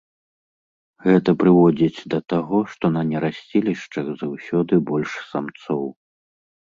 Гэта прыводзіць да таго, што на нерасцілішчах заўсёды больш самцоў.